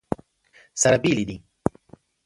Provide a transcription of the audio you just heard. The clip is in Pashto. سره بېلې دي.